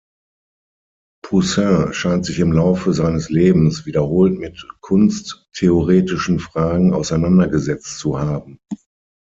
Poussin scheint sich im Laufe seines Lebens wiederholt mit kunsttheoretischen Fragen auseinandergesetzt zu haben.